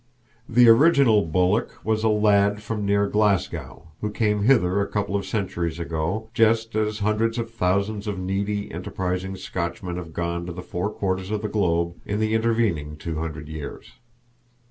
The original Bulloch was a lad from near Glasgow, who came hither a couple of centuries ago, just as hundreds of thousands of needy, enterprising Scotchmen have gone to the four quarters of the globe in the intervening two hundred years.